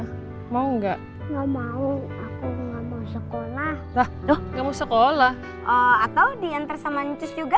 hai mau nggak mau aku nggak mau sekolah lah tuh nggak mau sekolah atau diantar sama nyucus juga